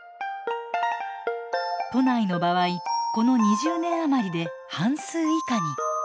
都内の場合この２０年余りで半数以下に。